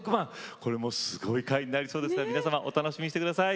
これもすごい回になりそうですが皆様お楽しみにして下さい。